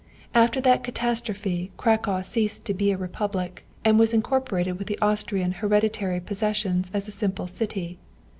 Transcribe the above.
After that catastrophe Cracow ceased to be a republic, and was incorporated with the Austrian hereditary possessions as a simple city.